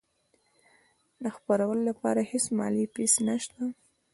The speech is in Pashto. د خپرولو لپاره هیڅ مالي فیس نشته.